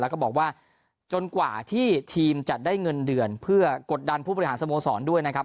แล้วก็บอกว่าจนกว่าที่ทีมจะได้เงินเดือนเพื่อกดดันผู้บริหารสโมสรด้วยนะครับ